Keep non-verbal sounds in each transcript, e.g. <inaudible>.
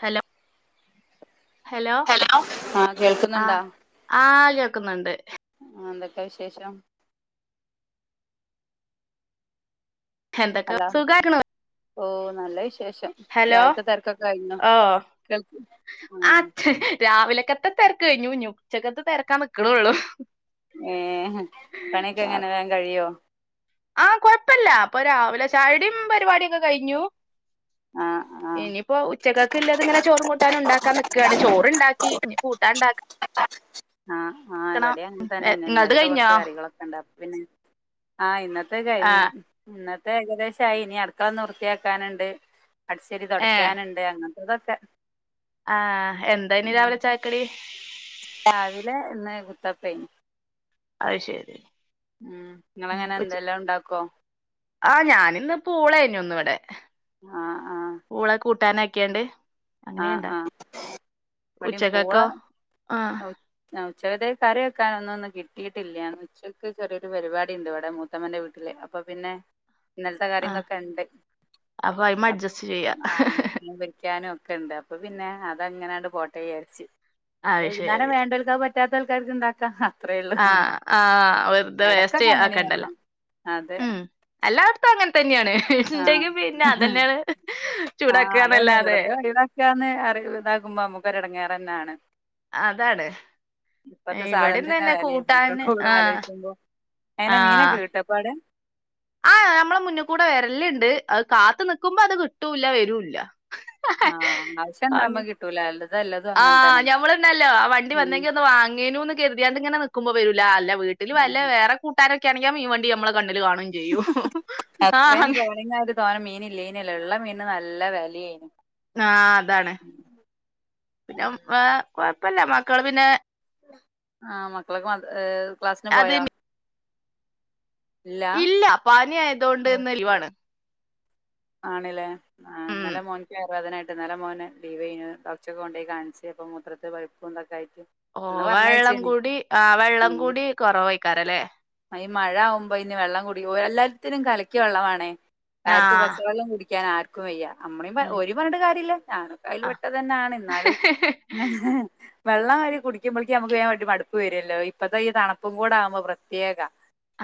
Hello hello ആഹ് കേൾക്കുന്നുണ്ടാ ആഹ് ആ കേക്കുന്നുണ്ട് ആഹ് ന്തൊക്കെ വിശേഷം? ഹെന്തൊക്ക സുഖാക്ക്ണ് ഓഹ് നല്ലവിശേഷം ഹലോ രാവിൽത്തെ തെരക്കൊക്കെ കഴിഞ്ഞൊ? ഓ <unintelligible> ആ ആഹ് ഛ്, രാവിലക്കത്തെ തെരക്കെഴിഞ്ഞു ഇനി ഉച്ചക്കത്ത് തെരക്കാൻ നിക്ക്ണോള്ളൂ. ഏഹ് പണിയൊക്കെങ്ങനെ വേം കഴിയോ? ആഹ് കൊഴപ്പല്ല അപ്പൊ രാവിലെ ചായൊടിം പരിപാടി യൊക്കെ കഴിഞ്ഞു. ആഹ് ആഹ് ഇനിയിപ്പോ ഉച്ചക്കക്ക്ല്ല ത്ങ്ങനെചോറുംകൂട്ടാനുണ്ടാക്കാൻ നിക്കാണ് ചോറ്ണ്ടാക്കി കൂട്ടാണ്ടാക്ക ആഹ് ആഹ് ഇവടി അങ്ങൻതന്നെ നിങ്ങളത് ഇന്നലത്തെ കഴിഞ്ഞോ കൊറച്ച് കറികളൊക്കെണ്ട് അപ്പപിന്നെ ആഹ് ഇന്നത്തെ കഴിഞ് ആഹ് ഇന്നത്തെ ഏകദേശംയിഇനി അടുക്കളന്ന് വൃത്തിയാക്കാനുണ്ട് ഏഹ് അടിചൊരിതൊടയ്ക്കാനുണ്ട് അങ്ങനത്തെതൊക്കെ ആഹ് എന്തായിനിരാവിലെ ചായക്കടി രാവിലെ ഇന്ന് കുത്തപ്പേയ്ന്ന് അയ്ശെരി ഉം ഇങ്ങളെങ്ങനെ ന്തെല്ലാം ഉണ്ടാക്കോ ആഹ് ഞാനിന്ന് പൂളേഞ്ഞിന്നവിടെ ആഹ് ആഹ് പൂള കൂട്ടാനാക്ക്യാണ്ട് ആഹ് അങ്ങനെുണ്ടാക്കി ആഹ് ഉച്ചകക്കോ ആഹ് ഉച്ചകാതെ കറിവെക്കനൊന്നുംന്നും കിട്ടിയിട്ടില്ല ഉച്ചയ്ക്ക് ചെറിയൊരു പരിപാടിണ്ട് ഇവിടെമു ത്തമ്മന്റെ വീട്ടില് അപ്പപിന്നെ ഇന്നലത്തെ ആഹ് കറിന്നൊക്കെണ്ട് അപ്പൊ അയ്മ അഡ്ജസ്റ്റ് ചെയ്യാ ആഹ് മീപൊരിക്കാനൊക്കെണ്ട്അപ്പ പിന്നെ അതങ്ങനെയണ്ട് പോട്ട വിചാരിച്ച്. അത് ശരി വൈന്നേരംവേണ്ടോൽക്അയ്പറ്റാത്തക്കാർക്ക്ണ്ടാക്കാ ആഹ്ആഹ് വെറുതെ ഇടക്കൊക്കെ അങ്ങനെ വേസ്റ്റ്ക്കണ്ടല്ലോ വരണം അതെ ഉം ആ എല്ലായിടത്തുങ്ങൻതന്നെണ്ഇണ്ടെങ്കിപിന്നെഅതന്നെണ് ചൂടാക്കാന്നല്ലാതെ ക്കാന്ന്അ ഇതകുമ്പോന മുക്കരെടങ്ങേറന്നാണ് അതാണ് സാധനത്തിന്റെ വിലയും ഒക്കെ ഇവിടെന്ന്തന്നെകൂട്ടാന് കൂടെ ആഹ് ആലോചിക്കുമ്പോ അങ്ങനെ മീനൊക്കെ ആഹ് കിട്ടപ്പാടെ ആഹ് നമ്മളെ മുന്നികൂടെവരലുണ്ട് അത്കാത്തുനിക്കുമ്പോഅത്കിട്ടൂല്ല വരൂല്ല ആഹ് അങ്ങ് ആവശ്യണ്ടാവുമ്പ കിട്ടൂല അല്ലതല്ലത ആഹ് ഞമ്മള്ണ്ടല്ലോ വണ്ടിവന്നെങ്കി ഒന്ന് വാങ്ങേനുന്ന് കരുതിയാണ്ട് ഇങ്ങനെ നിക്കുമ്പോ വരൂല അല്ല വീട്ടില് വല്ലവേറെ കൂട്ടാനൊക്കൊണെങ്കെ മീൻവണ്ടി നമ്മളെ കണ്ണില്കാണും ചെയ്യും ആ്ഹ് തോനെമീൻ ഇല്ലേനല്ലേ ഇള്ളമീന് നല്ല വേലിം ആഹ് അതാണ് പിന്നെഏഹ് കൊഴപ്പല്ല്യ മക്കള് പിന്നെ ആമക്കളൊക്കെ മ അത് ക്ലാസ്സിന്പോയാ ഇല്ലാ പനിയായതോണ്ട് ഇന്ന് ലീവാണ് ആണ്ല്ലേ ആഹ് ഉം ന്നലെമോൻക്ക് വയർവേദനായിട്ട് ന്നല മോന്ലീവെയ് ന്നു ഡോക്ടൊക്കെ കൊണ്ടോയി കാണിച്ച് അപ്പ മുത്രത്ത്പഴു ണ്ടായിട്ട് ഓഹ് വെള്ളംകൂടി ആഹ് വെള്ളം ഉം കൂടി കൊറവായ്ക്കാരല്ലേ ഈ മഴവുമ്പോ ഇനി വെള്ളം കൂടി എല്ലാത്തിനും കലക്കിയ വെള്ളമാണ ആർക്കും പ- ആഹ് വെള്ളം കുടിക്കാൻ ആർക്കും വയ്യ അമ്മയും ഇല്ല ഒരു പറഞ്ഞട്ട കാര്യമല്ല ഞാനും കയ്യിൽെ ആഹ് പെട്ട തന്നെയാണ് ന്നാലും ആഹ് വെള്ളം വ കുടിക്കുമ്പോഴേക്ക് നമുക്ക് വ്യാൻ വടി മടുപ്പ് വരുല്ലോ ഇപ്പഴത്തെ ഈ തണുപ്കൂട ആക്മ്പോ പ്രത്യേക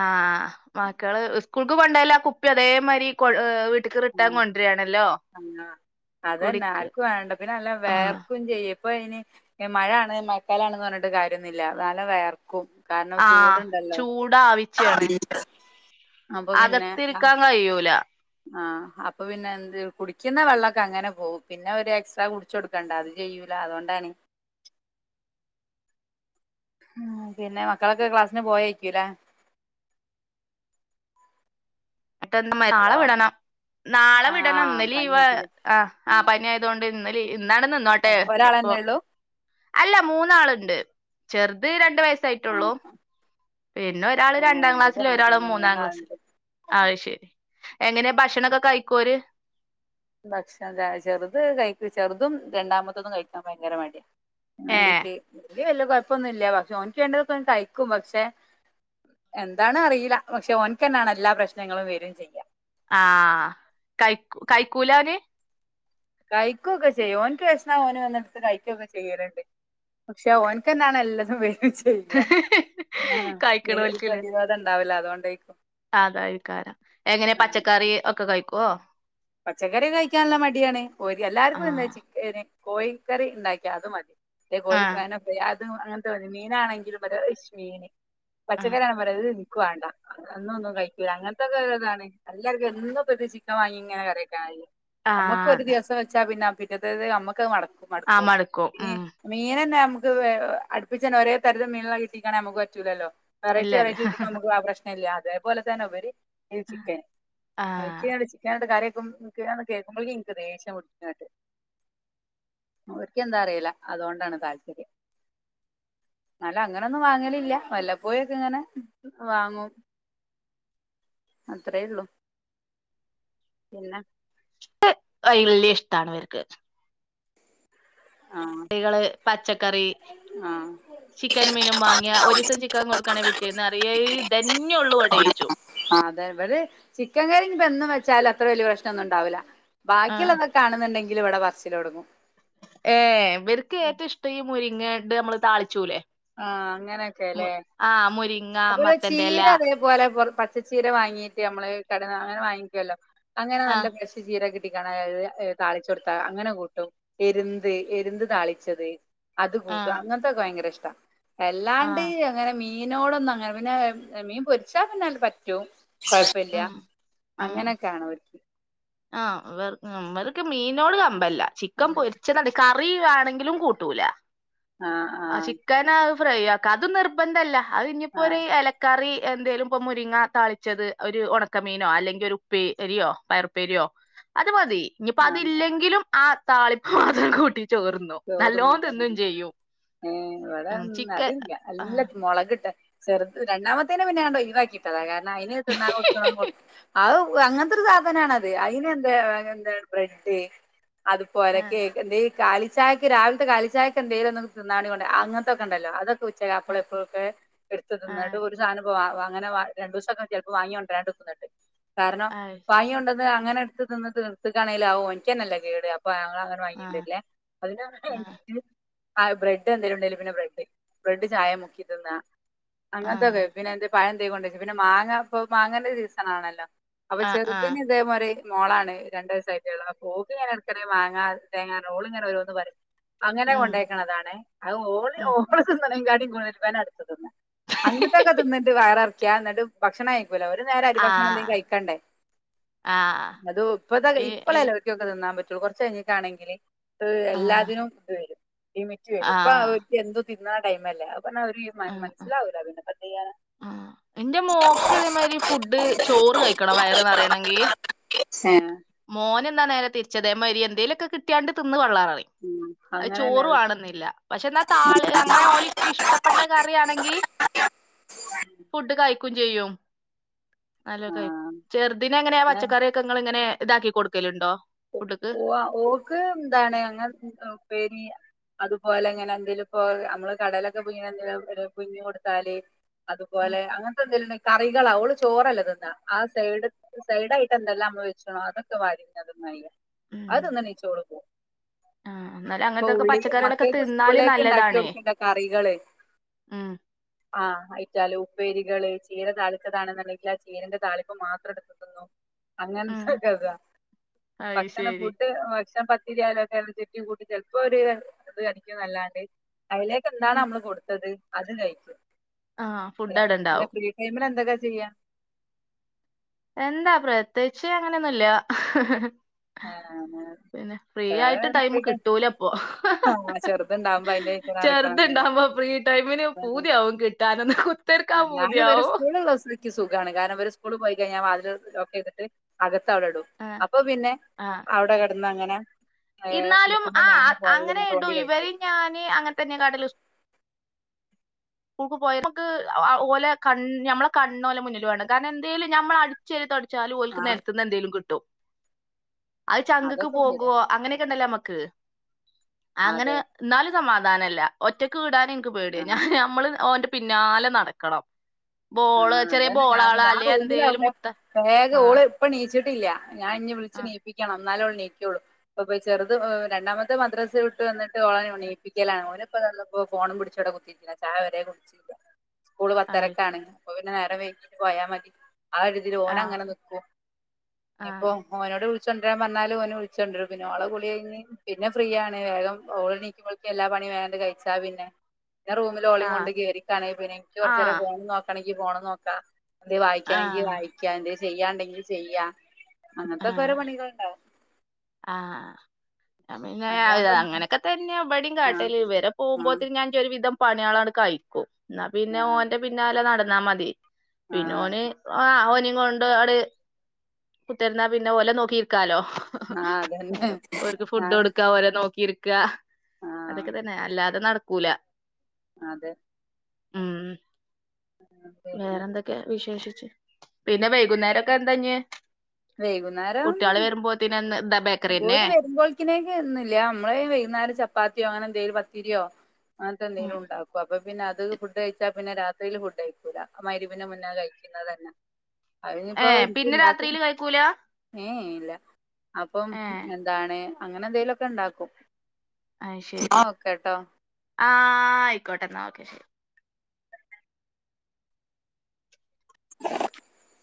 ആഹ് മക്കള് സ്കൂൾക്ക് പണ്ടല്ല കുപ്പി അതേമാതിരി കൊ വീട്ടക്ക് ആ റിട്ടാൻ കൊണ്ടുവരിയാണല്ലോ ആ. അതന്നെ ആർക്കും വേണ്ട പിന്നെ അല്ല ആഹ് വേർക്കും ചെയ്യ ഇപ്പൊ ഇനി മഴയാണ് മഴക്കാലണന്ന് പറഞ്ഞിട്ട് കാര്യൊന്നില്ല എന്നാല വേർക്കും കാരണം ആഹ് ചൂടുണ്ടല്ലോ ചൂട ആവിച്ചയാണ് അകത്തിരിക്കാൻ കഴിയൂല ആഹ് അപ്പൊ പിന്നെ എന്ത് കുടിക്കുന്ന വെള്ളവൊക്ക അങ്ങനെ പോവും പിന്നെ ഒരു എക്സ്ട്രാ കു വച്ച് കൊടുക്കണ്ട അത് ചെയ്യൂല അതുകൊണ്ടാണ് ഉം പിന്നെ മക്കളൊക്കെ ക്ലാസിന് പോയായിരിക്കുംല്ലേ നാളെ ഹലോ വിടണം നാളെ ആ വിടണം ഇന്ന് ലീവ് പനിയേക്കില്ല ആഹ് ആഹ് പനി ആയത് തൊണ്ട് ഇന്ന് ലി ഇന്നാണ് നിന്നോട്ടെ എപ്പോ ഒരാളെന്നെ ഉള്ളൂ അല്ല മൂന്നാളുണ്ട് ചെറുത് രണ്ടു വയസ്സായി ആ ട്ടുള്ളു ആ പിന്നെ ഒരാള് ആഹ് രണ്ടാം എന്റതും ക്ലാസ്സില് ഒരാള് അങ്ങനെത്തന്നെ മൂന്നാം ക്ലാസിൽ മൂന്നാളുണ്ട് അത് ശെരി എങ്ങനെയ ഭക്ഷണക്കെ കഴിക്കോര് ഭക്ഷണം ചെറുത് കഴി ചെറുതും രണ്ടാമത്തതും കഴിക്കാൻ ഭയങ്കര മടിയ ഏഹ് വേണ്ടീട്ട് ഇ വല്യ കൊഴപ്പൊന്നുല്ല പക്ഷെ ഓനിക്ക് വേണ്ടതൊക്കെ കഴിക്കും പക്ഷെ എന്താണ് അറിയില്ല പക്ഷെ ഒൻക്കന്നാണ് എല്ലാ പ്രശ്നങ്ങളും വരും ചെയ്യാ ആഹ് കൈ കൈക്കൂലാത് കഴിക്കുവൊക്കെ ചെയ്യും ഓനിക്ക് വെശന്ന ഓന് വന്നെടുത്ത് കഴിക്കുവൊക്കെ ചെയ്യലുണ്ട് പക്ഷെ ഓനക്ക്ന്താണ് എല്ലതും വരും ചെയ്യ ത് കഴിക്കണോൽക്ക്‌ല്ലേ ണ്ടാവില്ല അതുകൊണ്ടേരിക്കും അതായിക്കാരം എങ്ങനെയ പച്ചക്കറി ഒക്കെ കഴിക്കുവോ പച്ചക്കറി കഴിക്കാനല്ല മടിയാണ് എല്ലാർക്കും എന്ത ആഹ് ചിക്കന് കോഴിക്കറി ഉണ്ടാക്കി അത് മതി <unintelligible> ആഹ് ആഹ് പച്ചക്കറിയാണ് പറയത് വേണ്ട എന്നുവൊന്നും കഴിക്കില്ല അങ്ങനത്തൊക്കെ ഒരിതാണ് എല്ലാവർക്കും എന്നും ഇപ്പ ചിക്കൻ വാങ്ങിങ്ങനെ കറി നമ്മക്കും ഒരു ആഹ് ദിവസം വെച്ചാ പിന്നെ പിന്നത്തത് നമ്മക്ക് മടക്കും ആ മടുക്കും പിനെ ഉം മീനന്നെ നമുക്ക് അടുപ്പിച്ചന്നെ ഒരേ തരൽ മീനുകളെ കിട്ടിക്കണേ നമുക്ക് പറ്റൂലല്ലോ ഇല്ല കറിവെച്ച് ഇല്ല കറിവെച്ച് കിട്ടുമ്പോ നമുക്ക് ആ പ്രശ്നല്ല അതേപോലെ തന്നെ ഉപരി ഈ ചിക്കൻ കറി ആഹ് വെച്ച് കറി വെച്ച് <unintelligible> കേൾക്കുമ്പോഴേങ്ങക്ക് എനിക്ക് ദേഷ്യം <unintelligible> ഓരിക്ക് എന്താന്നറിയില്ല അതുകൊണ്ടാണ് താല്പര്യം എന്നാലും അങ്ങനെന്നും വാങ്ങലില്ല വല്ലപ്പോയും ഒക്കെ ങ്ങനെ വാങ്ങും അത്രേയൊള്ളു പിന്ന വല്ല്യ ഇഷ്ടാണ് ഇവർക്ക് ആഹ് കള് പച്ചക്കറി ആഹ് ചിക്കനും മീനും വാങ്ങിയ ഒരീസം ചിക്കൻ കൊടുക്കാണെ പിറ്റേന്ന് പറിയ ഇതെന്യേ ഇവിടെള്ളു ചോയ്ച്ചും അതെ ഇവര് ചിക്കൻ കറി ഇപ്പ എന്നും വെച്ചാല് അത്ര വലിയ പ്രശ്നന്നും ഉണ്ടാവില്ല ആഹ് ബാക്കിയുള്ളതൊക് കാണുന്നുണ്ടെങ്കിൽ ഇവിടെ പറച്ചിലൊടങ്ങും ഏഹ് ഇവർക്ക് ഏറ്റവും ഇഷ്ടം മുരിങ്ങണ്ട് നമ്മള് താളിച്ചൂലേ ആഹ് അങ്ങനെയൊക്കെല്ലേ ആഹ് മുരിങ്ങ അപ്പൊ മത്തന്റെല ചീര അതെ അതുപോലെ പച്ചച്ചീര വാങ്ങീട്ട് നമ്മള് കടേന്ന് അങ്ങനെ വാങ്ങിക്കുവല്ലോ അങ്ങനെ നല്ല ആഹ് പ്രശ് ചീരക്ക കിട്ടിക്കാണ താളിച്ച് കൊടുത്താ അങ്ങനെ കൂട്ടും എരുന്ത് എരുന്ത് താളിച്ചത് അത് കൂട്ടും ആഹ് അങ്ങനത്തൊക്കെ ഭയങ്കര ഇഷ്ട എല്ലാണ്ട് ആഹ് അങ്ങനെ മീനോടൊന്നും അങ്ങന പിന്നെ മീൻ പൊരിച്ചാ പിന്ന പറ്റും കൊഴപ്പല്ല്യാ ഉം ഉം അങ്ങനൊക്കെയാണ് വീട്ടില് ആഹ് ഇവർ ഇവർക്ക് മീനോട് കമ്പല്ല ചിക്കൻ പൊരിച്ചത് കറി വാണെങ്കിലും കൂട്ടൂല ആഹ് ആഹ് ക്കനാ അഹ് ഫ്രൈയ്യാക്കാ അതും നിർബന്ധല്ല അഹ് ആഹ് ഇഞ്ഞിപ്പൊര് എല കറി എന്തേലുപ്പം മുരിങ്ങ താളിച്ചത് ഒര് ഒണക്കമീനോ അല്ലെങ്കി ഒരു ഉപ്പേരിയോ പയറു പ്പേരിയോ അത് മതി ഇഞ്ഞിപ്പോ ആഹ് അതില്ലെങ്കിലും ആഹ് താളിപ്പ്‌ മാത്രം കൂട്ടി ചോറ് ചോറ് <unintelligible> ഏഹ് ഉം ഇവെടെന്നാ ചിക്കൻ അതില്ല ആ നല്ല മൊളകിട്ട ചെറ്ത് രണ്ടാമത്തേന് പിന്നെ ഞാനാണ്ട് ഒഴിവാക്കിട്ടതാ <unintelligible> ഇന്നയിന് തിന്നാൻ കൊടുക്കണം <unintelligible> അഹ് അങ്ങനത്തൊര് സാധനാണ ത് അയിന് എന്ത് <unintelligible> എന്താണ് ബ്രഡ് ആ അതുപോലെ കേക്ക് എന്തേലും കാലി ചായക്ക് രാവില്ത്തെ കാലിച്ചായക്ക് എന്തേലൊന്നും തിന്നാന് കൊണ്ട് അങ്ങത്തൊക്കണ്ടല്ലോ അത് ഉച്ച ആ അപ്പളും എപ്പളൊക്കെ എട്ത്ത് ആ തിന്നാണ്ട് <unintelligible> ഒരു സാനപ്പോ വാ അങ്ങനെ വാ രണ്ടോസൊക്കെ ചെലപ്പോ വാങ്ങിയൊണ്ടരാണ്ടക്കും എന്നിട്ട് കാരണം അത് ശരി. വാങ്ങിയൊണ്ടോ ന്ന് അങ്ങനെ എടുത്ത് തിന്ന് തീർത്ത്ക്കാണേല് അവും ഓന്ക്ക്യനല്ലേ കേട് അപ്പൊ ഞങ്ങള് അങ്ങനെ ആ വാങ്ങിയൊണ്ടര്ല്ലേ അതിന് <unintelligible> ആ വേണ്ടിട്ട് ആഹ് ബ്രെഡ് എന്തേലും ഉണ്ടേല് പിന്നെ ബ്രെഡ് ബ്രെഡ് ചായെ മുക്കി തിന്നാ ആ അങ്ങനത്തെക്കെ പിന്നെന്തെ പഴന്തെ കൊണ്ടേക്കും പിന്നെ മാങ്ങ ഇപ്പൊ മാങ്ങന്റെ സീസണാണല്ലോ അപ്പം ആ ആ ചെറ്തിന് ഇതെമാരി മോളാണ് രണ്ട് വയസായിട്ടേള്ളു അപ്പോ ഓക്ക് ഇങ്ങനെ എടക്കെനെ മാങ്ങാ തേങ്ങാർഞ്ഞ ഓള് ഇങ്ങനെ ഒരോന്ന് പറയും അങ്ങനെ ഉം കൊണ്ടേക്ക്ണതാണ് അത് ഓള് ഉം ഓള് തിന്ന്നേക്കാട്ടിം കൂട്തൽ ഇബനാ എടുത്തെ തിന്നെ അങ്ങത്തൊക്കെ തിന്നിട്ട് വയറ് നർക്കിയാ എന്നിട്ട് ഭക്ഷണഴി ക്കൂല ഒരു നേരം അരി ആ ഭക്ഷണം എന്തേലും കഴിക്കണ്ടേ ആ അതു ഇപ്പത്തെ ഏ ഏ ഇപ്പളല്ല ഒ <unintelligible> തിന്നാൻ പറ്റൂ കൊറച്ച് കഴിഞ്ഞിട്ടാണങ്കില് <unintelligible> ആ എല്ലാത്തിനും ഇത് വരും ലിമിറ്റ് വരും ആ ഇപ്പൊ ഓര്ക്ക് എന്തു തിന്നാ ടൈമല്ലേ അഹ് പറ്ഞ്ഞാ <unintelligible> മൻ ആ മനസിലാവൂല പിന്നെപ്പോ എന്തയ്യാനാ ഇന്റെ മോള്ക്ക് ഇതെ മാതിരി ഫുഡ് ചോറ് കഴിക്കണം വയറ് നറയണങ്കി ഏഹ് മോന് എന്നാ നേരെ തിരിച്ചാ ഇതെമായിരി എന്തേലൊക്കെ കിട്ടിയാണ്ട് തിന്ന് പള്ള നറിയും ഉം അഹ് അങ്ങനെ തന്നെ ചോറ് അത് വാണന്നില്ല പക്ഷേ എന്നാ താള് അങ്ങനെ ഓല്ക്ക് ഇഷ്ടപ്പെട്ട കറിയാണങ്കി ഫുഡ് കഴിക്കും ചെയ്യും നല്ലോം കഴി ആഹ് ചെറുതിനങ്ങനെ അങ്ങനെ പച്ചക്കറിയൊക്കെ ഇങ്ങള് ഇങ്ങനെ ഇതാക്കി കൊട്ക്കല്ണ്ടോ ഫുഡ്‌ക്ക് ആഹ് ഓള്ക്ക് എന്താണ് അങ്ങനെ ഉം ഏഹ് ഉപ്പേരി അതുപോലെ ഇങ്ങനെ എന്തേലുപ്പോ അമ്മള് കടലെക്കെ പുഴുങ്ങി എന്തേലും <unintelligible> പുഴുങ്ങി കൊടുത്താല് അതുപോലെ അങ്ങത്തെ എന്തേലും ഇണ്ടെ കറികളാ ഓള് ചോറല്ല തിന്നാ ആഹ് സൈഡ് സൈഡായിട്ട് എന്തെല്ലാം അമ്മള് വെച്ച്ണോ അതൊക്കെ വാരി ഇങ്ങനെ തി <unintelligible> ഉം അഹ് തിന്ന് നീച്ച് ഓള് പോവും ആഹ് എന്നാലും ഇപ്പൊ അങ്ങനത്തൊക്കെ ഉള്ളി പച്ചക്കറികളൊക്കെ മക്കേള്ക്ക് തിന്നാല് സ്കൂള്ലേക്ക് ഇണ്ടാക്കി നല്ലതാണേ കൊടുക്ക്ണ്ടേ കറികള് ഉം ആഹ് അയിറ്റാല് ഉപ്പേരികള് ചീര താളിച്ചതാണ് എന്ന്ണ്ടെങ്കിൽ ആഹ് ചീരന്റെ താളിപ്പ്‌ മാത്രം എടുത്ത് തിന്നും ഉം അങ്ങത്തൊക്കതാ അയ് ഭക്ഷണം ശരി ഫുഡ് ഭക്ഷണം പത്തിരി <unintelligible> <unintelligible> ചെലപ്പോ ഒര് ഇത് അടിക്ക്യുന്നല്ലാണ്ട് അയിലേക്ക് എന്താണ് ഉം നമ്മള് കൊടുത്തത് അത് കഴിക്കും ആഹ് ഫുഡ് അവിടെ <unintelligible> പിന്നെ ഇണ്ടാവും ഫ്രീ ടൈമില് എന്തൊക്കെ ചെയ്യാ എന്താ പ്രത്യേയിച്ച് അങ്ങനെയൊന്നുല്ല പിന്നെ ഫ്രീയായിട്ട് ടൈമ് ഫ്രീ ടൈം കിട്ടൂലപ്പോ ആഹ് ചെറുതുണ്ടാവുമ്പോ അതിന്റെ പിന്നാലെ ചെറ്ത് നടക്കണംന്നല്ലേ ഇണ്ടാവുമ്പോ ഫ്രീ ടൈമിന് പൂതിയാവും കിട്ടാന് കു ആഹ് ഞാൻ ഇവരെ സ്കൂള് ഇള്ളെ ദിവസേ ഇക്ക് സുഖാണ് കാരണം ഇവര് സ്കൂള് പോയി കഴിഞ്ഞാ വാതില് ലോക്ക് ചെയ്തിട്ട് അകത്ത് അവിടെ ഇടും. ആഹ് അപ്പോ പിന്നെ ആഹ് അവിടെ കിടന്ന് അങ്ങനെ- ഇന്നാലും നിൽക്കുമ്പോ ആഹാ ഞാൻ അങ്ങനെ ഫോണിലിരുന്ന് തോണ്ടി ഇടും, ഇവര്, കളിക്കും ഞാന്, അങ്ങനെ, തന്നെ കട- സ്കൂളൊക്കെ പോയി നമുക്ക് ഓല കണ് ഞമ്മളെ കണ്ണ, കണ്ണോളം മുന്നിൽ വേണം കാരണം, എന്തെലും ഞമ്മൾ അടിച്ചെടുത്ത്. ചാലും ഓല്ക്ക് ആ നെലത്ത്ന്ന്- എന്തേലും കിട്ടും. അത് ചങ്കക്ക് അതൊക്കെ ശരിയാ പോകുവോ- അങ്ങനെയൊക്കെണ്ടല്ലേ നമ്മക്ക്. അങ്ങനെ, അതെ എന്നാലും സമാധാനല്ല, ഒറ്റക്ക്- വിടാൻ എനിക്ക് ആ പേടിയാ. ഞാൻ- ഞമ്മള്, ഓന്റെ പിന്നാലെ നടക്കണം. ആഹ ബോള് ചെറിയ അതന്നെ ഞാൻ, ബോളാള് ഞാൻ അല്ലെ റൂമില. എന്തേലും അവിടെ മുത്ത ആ വേഗം ഓള്- ഇപ്പോ എണീച്ചിട്ടില്ല. ഞാൻ ഇഞ്ഞി വിളിച്ച് ആ എണീപ്പിക്കണം, എന്നാൽ അവളെ എണീക്കുള്ള. അപ്പ ചെറുത്, രണ്ടാമത്തെ- മദ്രസോട്ട് വന്നിട്ട് എണീപ്പിക്കലാണ്. ഓര് ഇപ്പ ഫോണും പിടിച്ച് കുത്തി- ഞാൻ ചായ വരേ കുടിച്ച്- <inaudible> സ്കൂള് അത് ശരി പത്തരക്കാണ്, അപ്പോ- പിന്നെ നേരെ വൈകിട്ട് പോയാ മതി. ആഹാ, ആ ഓൻ അങ്ങനെ നിക്കും ആ ഇപ്പോ. ഓനോട് വിളിച്ചുണ്ടരാൻ പറഞ്ഞാല്, ഓൻ വിളിച്ചണ്ടരും. പിന്നെ ഓൾടെ കുളി കഴിഞ്ഞു- പിന്നെ ഫ്രീ ആണ്, വേഗം ഓള്- നീക്കുമ്പോളക്കക്ക് എല്ലാ പണി- വേഗം കഴിച്ചാ പിന്നെ, പിന്നെ റൂമിൽ ആ ഓളി കൊണ്ട്- ഇരിക്കണേ പിന്നെ, എനിക്ക് ആ കുറച്ചു നേരെ ഫോൺ നോക്കണമെങ്കിൽ- ഫോൺ നോക്കാം. അത് ആ വായിക്കണെങ്കി വായിക്കാ, എന്ത് ചെയ്യാണ്ടെങ്കി ചെയ്യാം. അങ്ങനത്തെ ഒരു പണികളുണ്ടാവും. ആഹ പിന്നെ അല്ലാതൊന്നും അങ്ങനെയൊക്കെ തന്നെ എവിടയും കാട്ടല്. ആഹ് പോകുമ്പോ ഞാൻ- ഒരു വിധം പണികൾ അങ്ങ്- കഴിക്കും എന്നാ പിന്നെ ആഹ് അതെ ഓന്റെ- പിന്നല്ലേ നടന്നാ മതി. പിന്നെ ആഹ് ഓന്- ആഹാ ഓന് കൊണ്ട് അവിടെ- കുത്തിരുന്ന പിന്നെ പോലെ ഓന്- നോക്കിയിരിക്കാല്ലോ? ആഹ് അതന്നെ ഓർക്ക് ഫുഡ് ഞാന് കൊടുക്കാ ഒരാ- നോക്കിയിരിക്കാം ആഹ് അതൊക്കെ- തന്നെ അല്ലാതെ നട- നടക്കൂല. അതെ, ഉം, വേറെ പിന്നെ എന്തൊക്കെ? വിശേഷം പിന്നെ, വൈകുന്നേരൊക്കെ എന്താഞ്ഞേ? വൈകുന്നേരം കുട്ടികള് വരുമ്പോത്തെ- ഓര് വരുമ്പോൾക്കിനേക്ക ഒന്നുല്ല. നമ്മള് വൈകുന്നേരം ചപ്പാത്തിയോ, അങ്ങനെ എന്തെിലും പത്തിരിയോ. അത് ഉം എന്തെങ്കിലും ഉണ്ടാക്കും. അപ്പോ പിന്നെ അത് ഫുഡ്- കഴിച്ചാ പിന്നെ രാത്രിയില് ഫുഡ്- കഴിക്കൂല മരിവിന മുന്നേ കഴിക്കുന്നത് തന്നെ- അനിപ്പോ ഇത് ഇണ്ടാക്ക- നിക്കില്ല. ഏ ഇല്ല അപ്പം എന്താണ്, അങ്ങനെ എന്തെങ്കിലും ഒക്കെ ഉണ്ടാക്കും. ആഹ ശരി എന്നാ ഓക്കെട്ടോ ആഹ ആയിക്കോട്ടെ- എന്നാ ഓക്കെ ശരി. <inaudible>